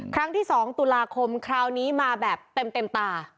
ครั้งที่๒ตุลาคมคราวนี้มาแบบเต็มตา